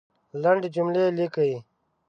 لندي جملې لیکئ !